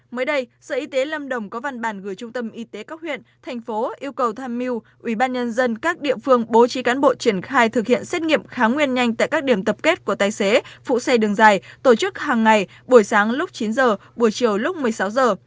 mới đây sở y tế lâm đồng có văn bản gửi trung tâm y tế các huyện thành phố yêu cầu tham mưu ubnd các địa phương bố trí cán bộ triển khai thực hiện xét nghiệm kháng nguyên nhanh tại các điểm tập kết của tài xế phụ xe đường dài tổ chức hàng ngày buổi sáng lúc chín giờ buổi chiều lúc một mươi sáu giờ